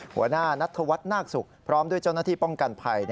หัวหน้านัตถวัฒน์นาคสุกพร้อมด้วยจอดหน้าที่ป้องกันไฟ